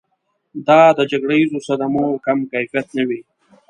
دا د جګړیزو صدمو کم کیفیت نه وي.